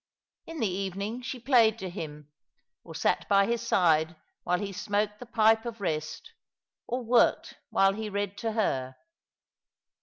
In the evening sho played to him, or sat by his side while he smoked the pipe of rest, or worked while he read to her.